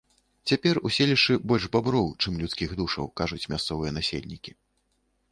Цяпер у селішчы больш баброў, чым людскіх душаў, кажуць мясцовыя насельнікі.